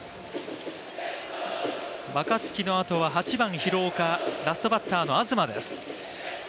若月のあとは８番・廣岡、ラストバッターの東です。